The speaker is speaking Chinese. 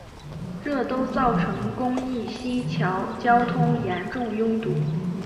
这都造成公益西桥交通严重拥堵。